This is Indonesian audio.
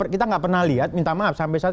kita nggak pernah lihat minta maaf sampai saat